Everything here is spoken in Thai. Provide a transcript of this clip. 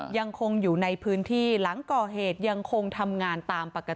ยังคงอยู่ในพื้นที่หลังก่อเหตุยังคงทำงานตามปกติ